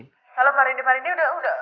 halo pak rindy pak rindy ini udah udah